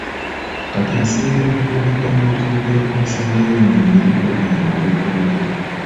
Kati nsuubira Mukuumaddamula okwogera ku nsonga y'emirimu egigootaanye olwa Corona